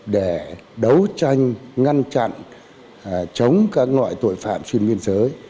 để đấu tranh ngăn chặn chống các loại tội phạm xuyên biên giới